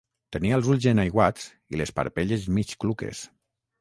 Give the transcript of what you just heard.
Tenia els ulls enaiguats i les parpelles mig cluques.